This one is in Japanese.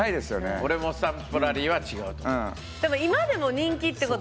俺もスタンプラリーは違うと思う。